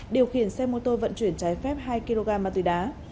điều khiển xe mô tô vận chuyển trái phép hai kg ma túy đá